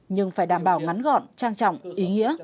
nhưng phải đảm bảo ngắn gọn trang trọng ý nghĩa